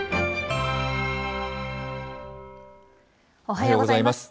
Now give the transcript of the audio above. おはようございます。